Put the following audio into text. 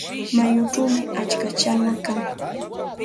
Mayuchawmi atska challwa kan.